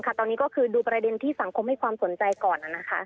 ตอนนี้ก็คือดูประเด็นที่สังคมให้ความสนใจก่อน